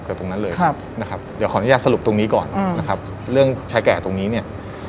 ตรงนั้นเลยครับนะครับเดี๋ยวขออนุญาตสรุปตรงนี้ก่อนนะครับเรื่องชายแก่ตรงนี้เนี่ย